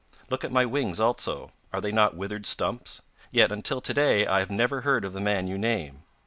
Look at my wings also are they not withered stumps? Yet until to day I have never heard of the man you name.